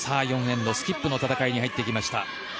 ４エンドスキップの戦いに入ってきました。